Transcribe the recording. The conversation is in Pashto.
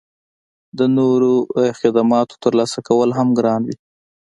د نورو خدماتو ترلاسه کول هم ګران وي